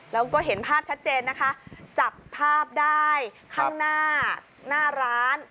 แล้วก็เห็นภาพชัดเจนนะคะจับภาพได้ข้างหน้าหน้าร้าน